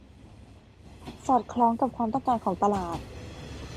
สอดคล้องกับความต้องการของตลาด